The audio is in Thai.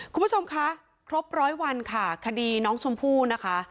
คุณผู้ชมคะครบร้อยวันค่ะคดีน้องชมพู่นะคะ